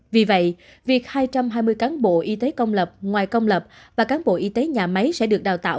vì vậy việc hai trăm hai mươi cán bộ y tế công lập ngoài công lập và cán bộ y tế nhà máy sẽ được đào tạo